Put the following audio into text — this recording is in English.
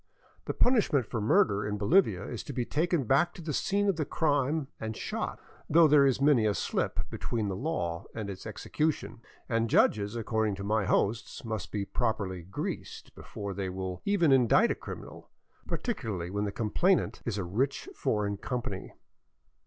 The punishment for murder in Bolivia is to be taken back to the scene of the crime and shot, though there is many a slip between the law and its execution, and judges, according to my hosts, must be properly '' greased " before they will even indict a criminal, particularly when the complainant is a rich foreign company.